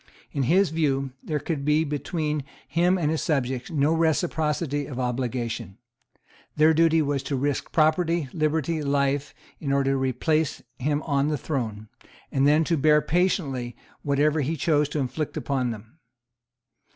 In his view there could be between him and his subjects no reciprocity of obligation. Their duty was to risk property, liberty, life, in order to replace him on the throne, and then to bear patiently whatever he chose to inflict upon them.